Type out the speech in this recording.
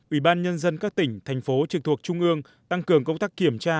ủy ban nhân dân các tỉnh thành phố trực thuộc trung ương tăng cường công tác kiểm tra